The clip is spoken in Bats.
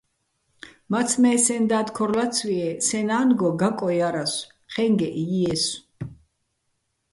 მაცმე́ სეჼ და́დ ქორ ლაცვიეჼ, სეჼ ნა́ნგო გაკო ჲარასო̆, ჴე́ნგეჸ ჲიესო̆.